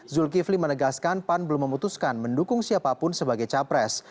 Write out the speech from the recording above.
zulkifli menegaskan pan belum memutuskan mendukung siapapun sebagai capres